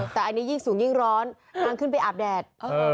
แต่อันนี้สูงยิ่งร้อนเธอกล้องขึ้นไปอาบแดด